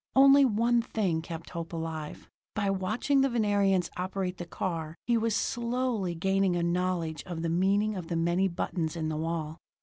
Only one thing kept hope alive: by watching the Venerians operate the car, he was slowly gaining a knowledge of the meaning of the many buttons in the wall.